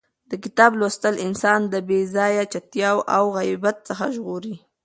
د کتاب لوستل انسان له بې ځایه چتیاو او غیبت څخه ژغوري.